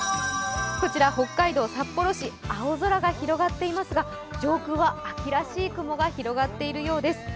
こちら北海道札幌市青空が広がっていますが上空は秋らしい雲が広がっているようです。